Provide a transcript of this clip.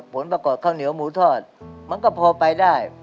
ผลประกอบข้าวเหนียวหมูทอดมันก็พอไปได้